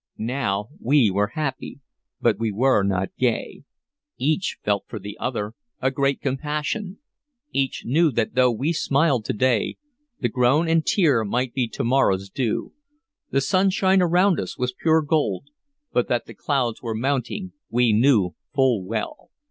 Now we were happy, but we were not gay. Each felt for the other a great compassion; each knew that though we smiled to day, the groan and the tear might be to morrow's due; the sunshine around us was pure gold, but that the clouds were mounting we knew full well.